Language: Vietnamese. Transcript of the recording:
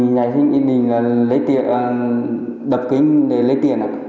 ngày hôm nay mình lấy tiền đập kính để lấy tiền ạ